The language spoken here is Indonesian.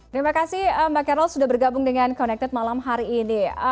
terima kasih mbak carel sudah bergabung dengan connected malam hari ini